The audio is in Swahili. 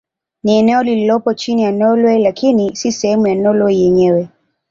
Ni eneo lililopo chini ya Norwei lakini si sehemu ya Norwei yenyewe.